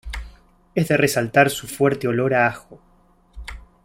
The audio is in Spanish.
Es de resaltar su fuerte olor a ajo.